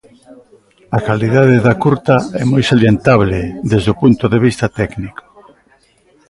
A calidade da curta é moi salientable desde o punto de vista técnico.